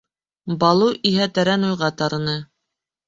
Балу иһә тәрән уйға тарыны.